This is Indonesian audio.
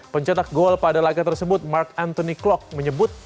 pencetak gol pada laga tersebut mark anthony klock menyebut